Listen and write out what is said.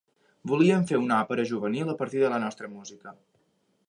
Volíem fer una òpera juvenil a partir de la nostra música.